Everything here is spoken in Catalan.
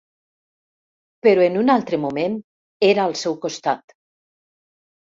Però en un altre moment era al seu costat.